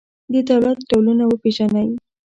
د دولت ډولونه وپېژنئ.